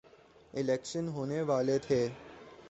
election ہونے والے تھے